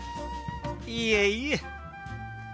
いえいえ。